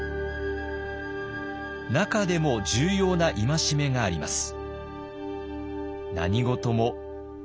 中でも重要な戒めがあります。